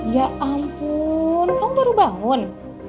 ya ampun kan baru bangun